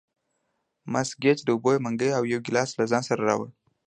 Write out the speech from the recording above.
مس ګېج د اوبو یو منګی او یو ګیلاس له ځان سره راوړ.